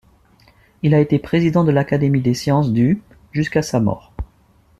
Il a été président de l'Académie des sciences du jusqu'à sa mort.